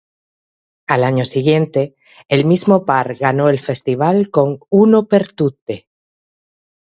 Al año siguiente, el mismo par ganó el Festival con ""Uno per tutte"".